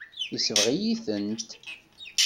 Yesbeɣ-iyi-tent.